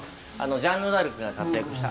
ジャンヌ・ダルクが活躍した。